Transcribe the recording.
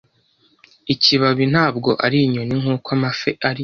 Ikibabi ntabwo ari inyoni nkuko amafi ari. .